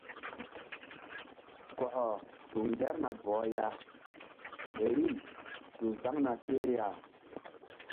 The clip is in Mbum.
Kɔkɔ tu ŋgerna bɔh ya rim tu zaŋ na seh ya.